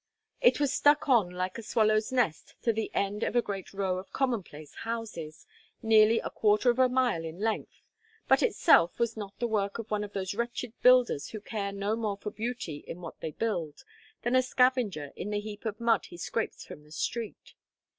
It was stuck on like a swallow's nest to the end of a great row of commonplace houses, nearly a quarter of a mile in length, but itself was not the work of one of those wretched builders who care no more for beauty in what they build than a scavenger in the heap of mud he scrapes from the street.